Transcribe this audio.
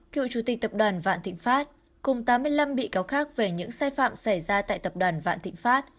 cựu chủ tịch tập đoàn vạn thịnh pháp cùng tám mươi năm bị cáo khác về những sai phạm xảy ra tại tập đoàn vạn thịnh pháp